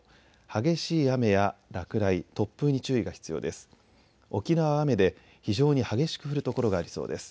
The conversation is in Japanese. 激しい雨や落雷、突風に注意が必要です。